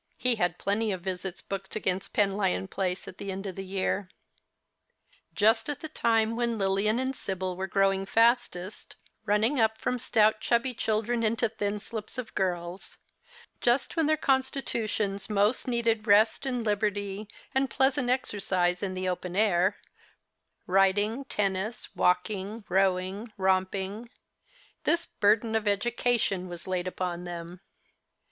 He had plenty of visits booked against Penlyon Place at the end of the year. Just at the time when Lilian and Sibyl were growing fastest, running up from stout, chubby children, into thin slips of gu'ls ; just when then constitutions most needed rest, and liberty, and pleasant exercise in the open air — riding, tennis, walking, rowing, romping — this bm"den of education was laid upon them.